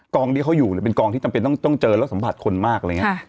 กองที่เขาอยู่เป็นกองที่ต้องเจอแล้วสัมผัสคนมาก